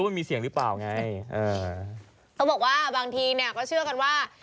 เจมส์เขาบอกว่าบางทีเนี่ยก็เชื่อกันว่า